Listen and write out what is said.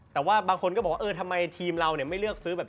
แต่ว่าบางคนก็บอกว่าเออทำไมทีมเราเนี่ยไม่เลือกซื้อแบบ